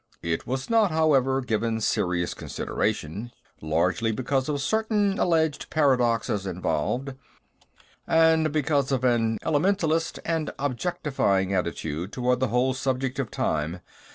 It was not, however, given serious consideration, largely because of certain alleged paradoxes involved, and because of an elementalistic and objectifying attitude toward the whole subject of time.